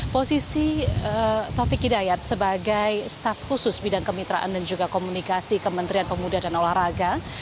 posisi taufik hidayat sebagai staf khusus bidang kemitraan dan juga komunikasi kementerian pemuda dan olahraga